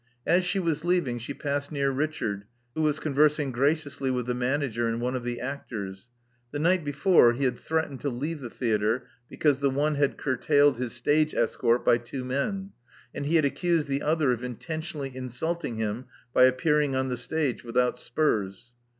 As she was leaving, she passed near Richard, who was conversing graciously with the manager and one of the actors. The night before, he had threatened to leave the theatre because the one had cur tailed his stage escort by two men ; and he had accused the other of intentionally insulting him by appearing on the stage without spurs.